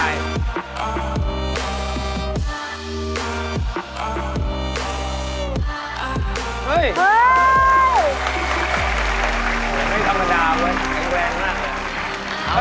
โอ้โฮโอ้โฮโอ้โฮโอ้โฮ